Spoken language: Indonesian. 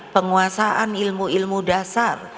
penguasaan ilmu ilmu dasar